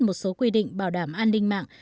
một số quy định bảo đảm an ninh mạng